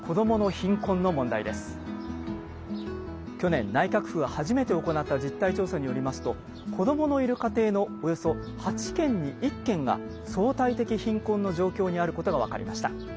去年内閣府が初めて行った実態調査によりますと子どものいる家庭のおよそ８軒に１軒が「相対的貧困」の状況にあることが分かりました。